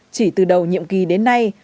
chỉ từ đầu nhiệm kỳ đến nay